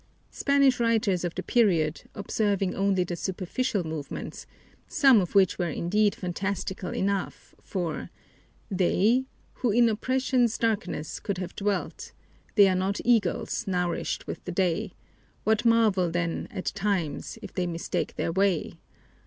Spanish writers of the period, observing only the superficial movements, some of which were indeed fantastical enough, for "they, Who in oppression's darkness caved have dwelt, They are not eagles, nourished with the day; What marvel, then, at times, if they mistake their way?"